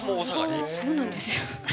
そうなんですよ。